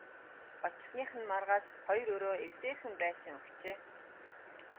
Очсоных нь маргааш хоёр өрөө эвсээрхэн байшин өгчээ.